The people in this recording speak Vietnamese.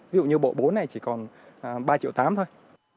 ví dụ như bộ bốn này chỉ còn ba tám triệu thôi